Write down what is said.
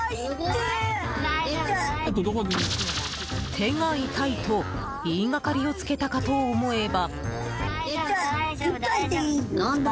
手が痛いと言いがかりをつけたかと思えば。